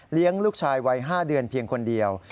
ลูกชายวัย๕เดือนเพียงคนเดียว